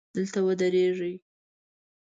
دلته ودرېږئ